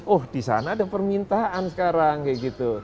oh di sana ada permintaan sekarang kayak gitu